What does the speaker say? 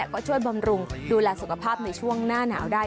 ก็ช่วยบำรุงดูแลสุขภาพในช่วงหน้าหนาวได้